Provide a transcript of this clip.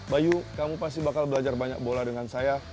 bayu kamu pasti bakal belajar banyak bola dengan saya